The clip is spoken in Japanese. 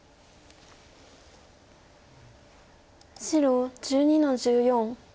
白１２の十四。